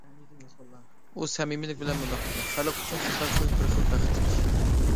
ئۇ سەمىمىيلىك بىلەن مۇنداق دېدى:« خەلق ئۈچۈن خىزمەت قىلىش بىر خىل بەختلىك ئىش».